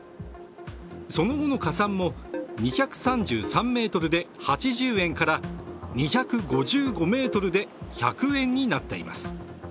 その後の加算も２３３ｍで８０円から２５５ｍで１００円になっています。